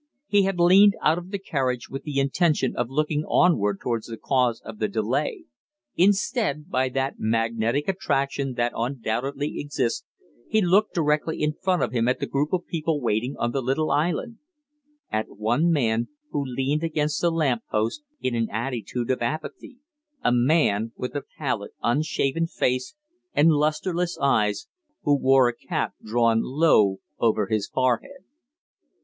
He had leaned out of the carriage with the intention of looking onward towards the cause of the delay; instead, by that magnetic attraction that undoubtedly exists, he looked directly in front of him at the group of people waiting on the little island at one man who leaned against the lamp post in an attitude of apathy a man with a pallid, unshaven face and lustreless eyes, who wore a cap drawn low over his forehead.